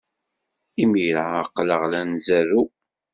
Imir-a, aql-aɣ la nzerrew.